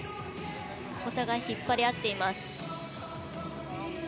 お互い引っ張り合っています。